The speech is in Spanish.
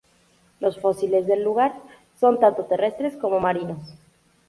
Los fósiles del lugar son tanto terrestres como marinos.